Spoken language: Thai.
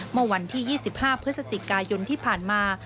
เมื่อวันที่๒๕พฤศจิกายนที่ผ่านมา